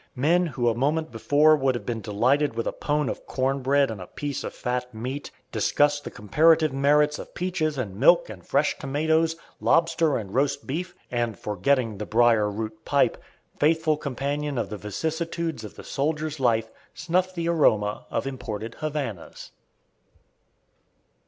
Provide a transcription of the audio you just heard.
Men, who a moment before would have been delighted with a pone of cornbread and a piece of fat meat, discuss the comparative merits of peaches and milk and fresh tomatoes, lobster and roast beef, and, forgetting the briar root pipe, faithful companion of the vicissitudes of the soldier's life, snuff the aroma of imported Havanas.